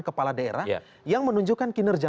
kepala daerah yang menunjukkan kinerja